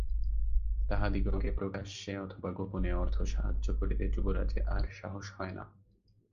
তাহাদিগকে প্রকাশ্যে অথবা গােপনে অর্থ সাহায্য করিতে যুবরাজের আর সাহস হয় না।